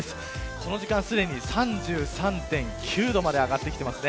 この時間、すでに３３．９度まで上がってきています。